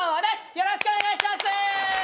よろしくお願いします。